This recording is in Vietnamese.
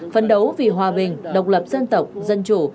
phấn đấu vì hòa bình độc lập dân tộc dân chủ